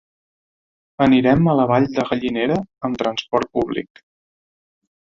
Anirem a la Vall de Gallinera amb transport públic.